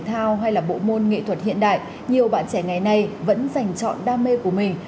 với bộ môn nghệ thuật hiện đại nhiều bạn trẻ ngày nay vẫn dành chọn đam mê của mình